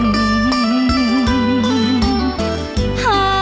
ห้ามไปหาแม่มาทั้งบ้าน